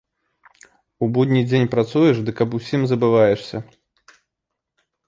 У будні дзень працуеш, дык аб усім забываешся.